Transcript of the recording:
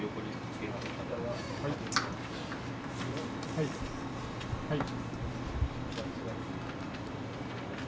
はいはい。